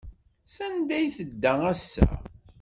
Sanda ay tedda ass-a?